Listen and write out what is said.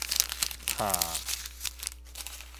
冇